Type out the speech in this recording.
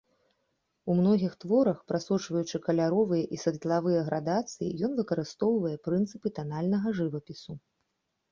У многіх творах, прасочваючы каляровыя і светлавыя градацыі, ён выкарыстоўвае прынцыпы танальнага жывапісу.